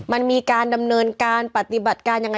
มันมีการดำเนินการปฏิบัติการยังไง